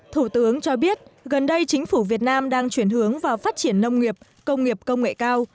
thủ tướng cho biết gần đây chính phủ việt nam đang chuyển hướng vào phát triển nông nghiệp công nghiệp công nghệ cao